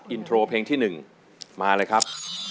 อินโทรเพลงที่๑มาเลยครับ